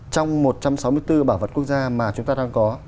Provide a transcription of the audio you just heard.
trong một trăm sáu mươi bốn bảo vật quốc gia mà chúng ta đang có